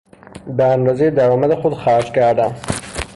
به اندازهی درآمد خود خرج کردن